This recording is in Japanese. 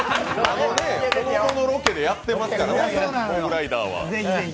この間のロケでやってますからね、モグライダーは。